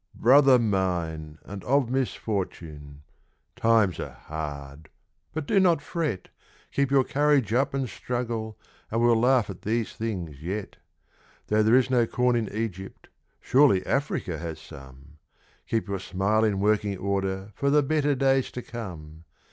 Brother mine, and of misfortune ! times are hard, but do not fret, Keep your courage up and struggle, and we'll laugh at these things yet. Though there is no corn in Egypt, surely Africa has some Keep your smile in working order for the better days to come